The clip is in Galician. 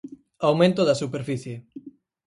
Aumento da superficie.